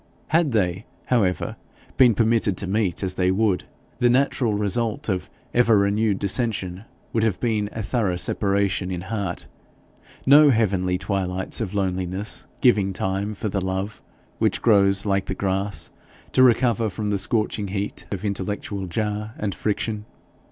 Had they, however, been permitted to meet as they would, the natural result of ever renewed dissension would have been a thorough separation in heart, no heavenly twilights of loneliness giving time for the love which grows like the grass to recover from the scorching heat of intellectual jar and friction.